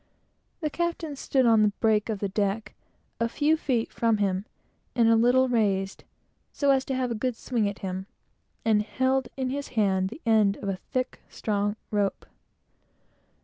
The captain stood on the break of the deck, a few feet from him, and a little raised, so as to have a good swing at him, and held in his hand the bight of a thick, strong rope.